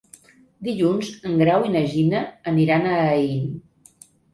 Dilluns en Grau i na Gina aniran a Aín.